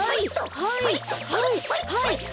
はい。